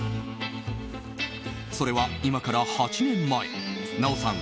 それは今から８年前奈緒さん